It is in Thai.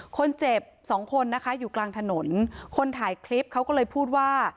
คนเจ็บสองคนนะคะอยู่กลางถนนคนถ่ายคลิปเขาก็เลยพูดว่า